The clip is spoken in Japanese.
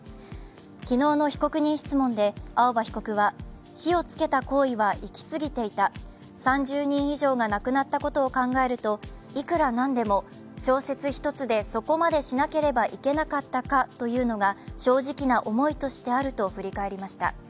昨日の被告人質問で青葉被告は、火をつけた行為はいき過ぎていた、３０人以上が亡くなったことを考えるといくらなんでも小説１つでそこまでしなければいけなかったかというのが正直な思いとしてあると振り返りました。